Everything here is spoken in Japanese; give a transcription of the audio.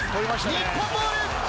日本ボール。